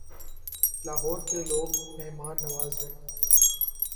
لاہور کے لوگ مہمان نواز ہیں